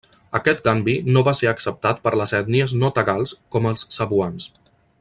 Aquest canvi no va ser acceptat per les ètnies no tagals com els cebuans.